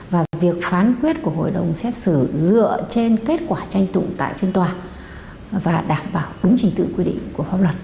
và việc phán quyết của hội đồng xét xử dựa trên kết quả tranh tụng tại phiên tòa và đảm bảo đúng trình tự quy định của pháp luật